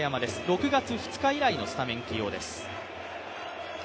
６月２日以来のスタメン起用です。